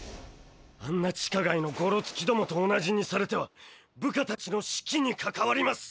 あんな地下街のゴロツキどもと同じにされては部下たちの士気に関わります！